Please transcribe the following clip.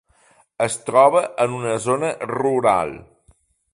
Es troba en una zona rural.